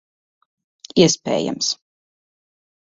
Iespējams.